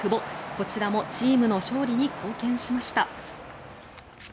こちらもチームの勝利に貢献しました。